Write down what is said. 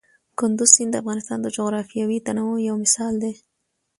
کندز سیند د افغانستان د جغرافیوي تنوع یو مثال دی.